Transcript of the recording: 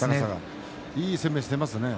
いい攻めをしていますね。